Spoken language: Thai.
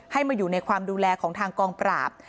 มาอยู่ในความดูแลของทางกองปราบ